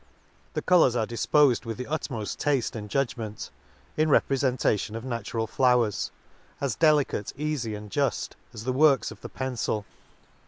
The colours are difpofed with the utmoft tafte and judgment, in reprefentation of natural flowers ; as delicate, eafy, and juft, as the works of the pencil.